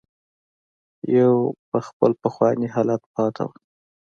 يوه په خپل پخواني حالت پاتې وه.